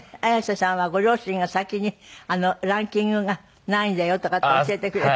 Ａｙａｓｅさんはご両親が先にランキングが何位だよとかいって教えてくれる。